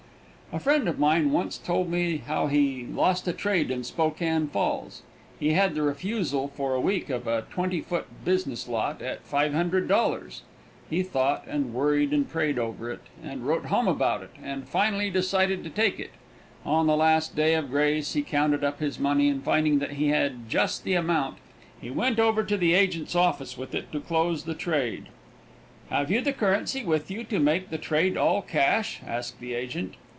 A friend of mine once told me how he lost a trade in Spokane Falls. He had the refusal for a week of a twenty four foot business lot "at $500." He thought and worried and prayed over it, and wrote home about it, and finally decided to take it. On the last day of grace he counted up his money and finding that he had just the amount, he went over to the agent's office with it to close the trade. "Have you the currency with you to make the trade all cash?" asked the agent.